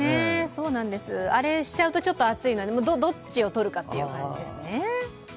そうなんです、あれをしちゃうと、ちょっと暑いからどっちをとるかっていう感じですね。